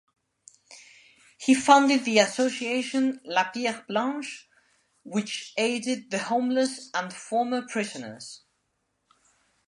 He founded the association La Pierre Blanche which aided the homeless and former prisoners.